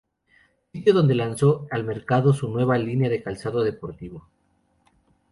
Sitio donde lanzó al mercado su nueva línea de calzado deportivo.